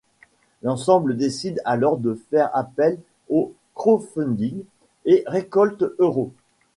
L'ensemble décide alors de faire appel au crowdfunding et récolte euros.